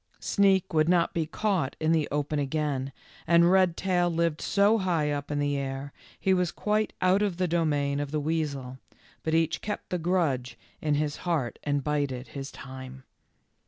Sneak would not be caught in the open again, and Redtail lived so high up in the air that he was quite out of the domain of the weasel, but each kept the grudge in his heart and bided his time.